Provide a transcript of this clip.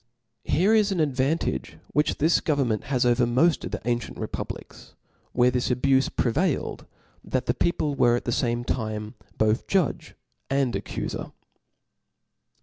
Here is an advantage which this government has over moft of the ancient republics, where this abufe prevailed, that the people w^ at the fame time both judge and accufer.